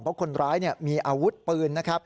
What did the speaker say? เพราะคนร้ายมีอวุธปืน